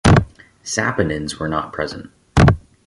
Saponins were not present.